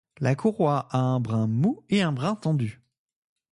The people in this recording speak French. La courroie a un brin mou et un brin tendu.